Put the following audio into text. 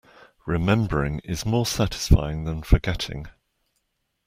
Remembering is more satisfying than forgetting.